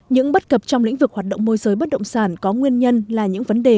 những bất cập trong lĩnh vực hoạt động môi giới bất động sản có nguyên nhân là những vấn đề